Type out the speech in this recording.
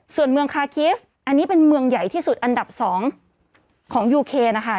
ส่วนเมืองคาคิฟต์อันนี้เป็นเมืองใหญ่ที่สุดอันดับ๒ของยูเคนนะคะ